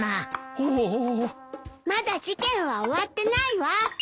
まだ事件は終わってないわ！